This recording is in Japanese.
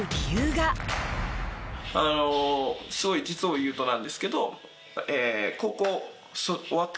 あのすごい実を言うとなんですけど。